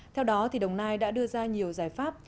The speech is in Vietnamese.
theo đó đồng nai đã đưa ra nhiều giải pháp